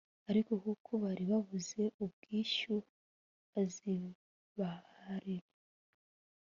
ariko kuko bari babuze ubwishyu azibaharira